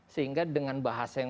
sehingga dengan bahasa yang